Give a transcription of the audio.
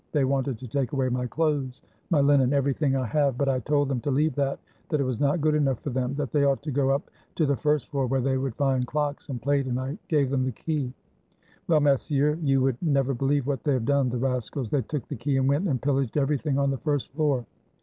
They wanted to take away my clothes, my linen, everything I have; but I told them to leave that, that it was not good enough for them, that they ought to go up to the first floor, where they would find clocks and plate, and I gave them the key. Well, messieurs, you would never believe what they have done, the rascals! They took the key and went and pillaged everything on the first floor!"